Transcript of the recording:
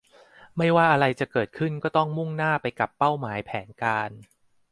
ไม่ว่าอะไรจะเกิดขึ้นก็ต้องมุ่งหน้าไปกับเป้าหมายแผนการ